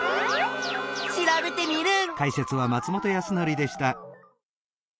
調べテミルン！